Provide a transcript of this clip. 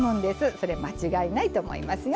それ間違いないと思いますよ。